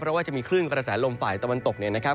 เพราะว่าจะมีคลื่นกระแสลมฝ่ายตะวันตกเนี่ยนะครับ